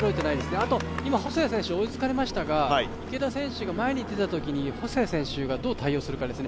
あと、今、細谷選手追いつかれましたが、池田選手が前に出たときに細谷選手がどう対応するかですね。